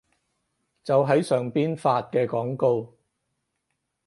就係上邊發嘅廣告